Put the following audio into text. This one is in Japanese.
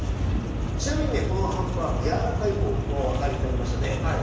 ちなみにねこのハンバーグやわらかい方はお分かりになりましたね。